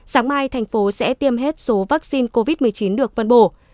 sáng mai thành phố sẽ tiêm hết số vaccine covid một mươi chín được phân bổ